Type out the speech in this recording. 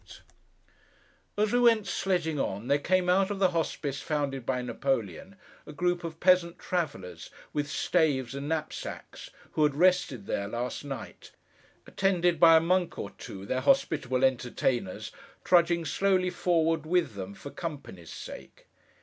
[Picture: The Chiffonier] As we went sledging on, there came out of the Hospice founded by Napoleon, a group of Peasant travellers, with staves and knapsacks, who had rested there last night: attended by a Monk or two, their hospitable entertainers, trudging slowly forward with them, for company's sake.